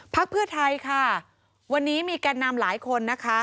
พักเพื่อไทยค่ะวันนี้มีแก่นนำหลายคนนะคะ